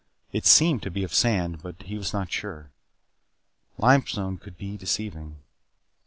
It seemed to be of sand, but he was not sure. Limestone could be deceiving.